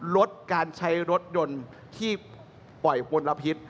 ลดการใช้รถยนต์ที่ปล่อยมลพิษ